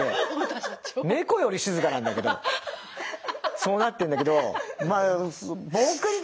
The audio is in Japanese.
そうなってんだけど。